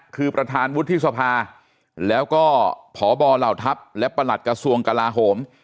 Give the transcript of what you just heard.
คือประธานวุฒิสภาแล้วก็พบเหล่าทัพและประหลัดกระทรวงกลาโหม